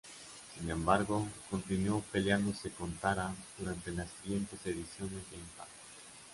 Sin embargo, continuó peleándose con Tara durante las siguientes ediciones de "Impact!